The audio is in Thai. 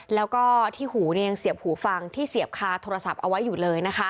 แล้วก็ที่หูยังเสียบหูฟังที่เสียบคาโทรศัพท์เอาไว้อยู่เลยนะคะ